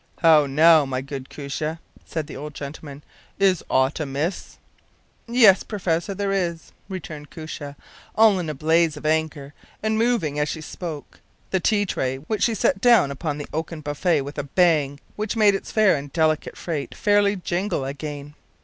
“How now, my good Koosje?” said the old gentleman. “Is aught amiss?” “Yes, professor, there is,” returned Koosje, all in a blaze of anger, and moving, as she spoke, the tea tray, which she set down upon the oaken buffet with a bang, which made its fair and delicate freight fairly jingle again.